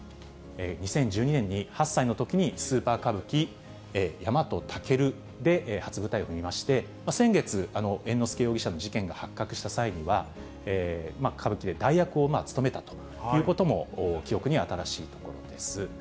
２０１２年に、８歳のときにスーパー歌舞伎ヤマトタケルで初舞台を踏みまして、先月、猿之助容疑者の事件が発覚した際には、歌舞伎で代役を務めたということも、記憶に新しいところです。